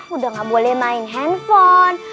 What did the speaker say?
udah gak boleh main handphone